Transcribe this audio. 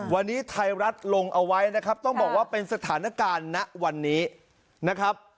วันนี้ไทยรัฐลงเอาไว้นะครับต้องบอกว่าเป็นสถานการณ์ณวันนี้นะครับ